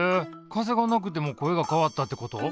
風がなくても声が変わったってこと？